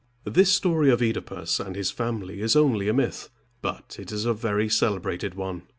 This story of OEdipus and his family is only a myth, but it is a very celebrated one.